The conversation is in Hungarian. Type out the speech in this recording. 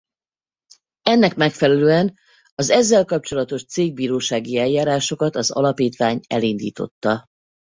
Ennek megfelelően az ezzel kapcsolatos cégbírósági eljárásokat az Alapítvány elindította.